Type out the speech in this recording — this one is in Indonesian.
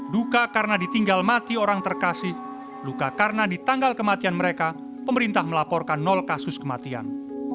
duka karena ditinggal mati orang terkasih luka karena di tanggal kematian mereka pemerintah melaporkan nol kasus kematian